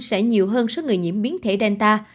sẽ nhiều hơn số người nhiễm biến thể delta